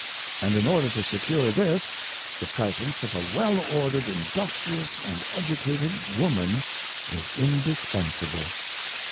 And in order to secure this, the presence of a well ordered, industrious and educated woman is indispensable.